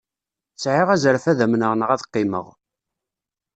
Sɛiɣ azref ad amneɣ neɣ ad qqimeɣ.